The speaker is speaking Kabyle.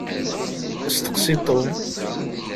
Steqsi Tom!